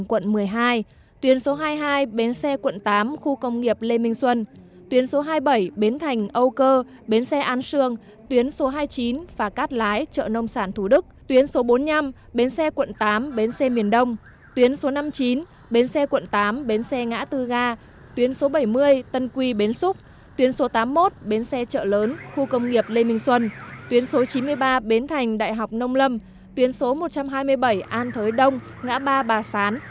quận một mươi hai tuyến số hai mươi hai bến xe quận tám khu công nghiệp lê minh xuân tuyến số hai mươi bảy bến thành âu cơ bến xe an sương tuyến số hai mươi chín phà cát lái chợ nông sản thủ đức tuyến số bốn mươi năm bến xe quận tám bến xe miền đông tuyến số năm mươi chín bến xe quận tám bến xe ngã tư ga tuyến số bảy mươi tân quy bến xúc tuyến số tám mươi một bến xe chợ lớn khu công nghiệp lê minh xuân tuyến số chín mươi ba bến thành đại học nông lâm tuyến số một trăm hai mươi bảy an thới đông ngã ba bà sán